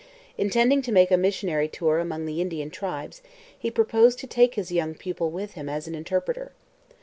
Intending to make a missionary tour among the Indian tribes, he proposed to take his young pupil with him as an interpreter.